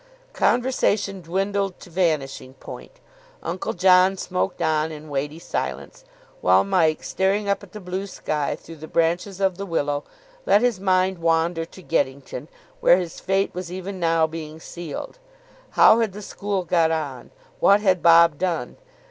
Conversation dwindled to vanishing point. Uncle John smoked on in weighty silence, while Mike, staring up at the blue sky through the branches of the willow, let his mind wander to Geddington, where his fate was even now being sealed. How had the school got on? What had Bob done?